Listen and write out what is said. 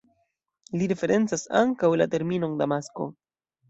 Li referencas ankaŭ la terminon damasko.